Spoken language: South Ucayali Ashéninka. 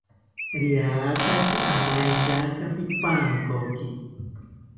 Riataki amaetyaka pipankoki